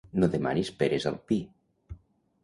No demanis peres al pi.